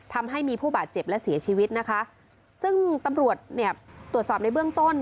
ทำให้มีผู้บาดเจ็บและเสียชีวิตนะคะซึ่งตำรวจเนี่ยตรวจสอบในเบื้องต้น